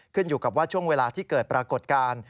อยู่กับว่าช่วงเวลาที่เกิดปรากฏการณ์